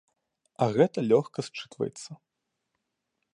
А гэта лёгка счытваецца.